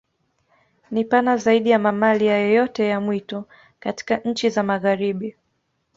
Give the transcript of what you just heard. Ni pana zaidi ya mamalia yoyote ya mwitu katika nchi za Magharibi.